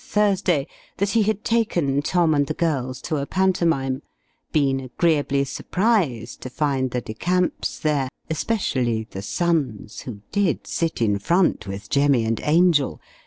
Thursday, that he had taken Tom and the girls to a pantomime; been agreeably surprised to find the De Camps there, especially the sons, who did sit in front, with Jemy. and Angel.